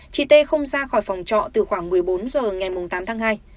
chị t không ra khỏi phòng trọ từ khoảng một mươi bốn h ngày tám tháng hai